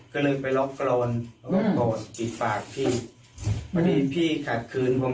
กลัวความผิดตัวเอง